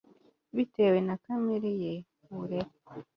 bitewe na kamere ye, uburere